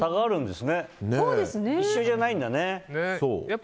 一緒じゃないんだね。